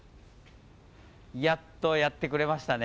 やっとやってくれましたね。